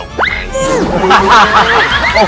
อรับ